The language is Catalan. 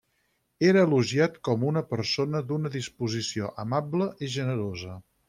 Era elogiat com una persona d'una disposició amable i generosa.